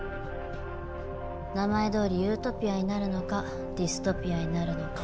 名前どおりユートピアになるのかディストピアになるのか。